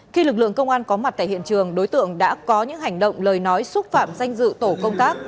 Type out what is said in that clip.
khi lực lượng công an có mặt tại hiện trường đối tượng đã có những hành động lời nói xúc phạm danh dự tổ công tác